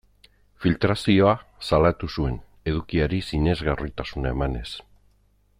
Filtrazioa salatu zuen, edukiari sinesgarritasuna emanez.